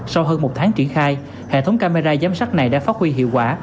sau hơn một tháng triển khai hệ thống camera giám sát này đã phát huy hiệu quả